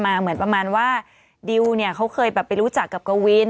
นางคงเป็นเพื่อนเที่ยวกันอย่างนี้เขาไปเจอกันที่ไหน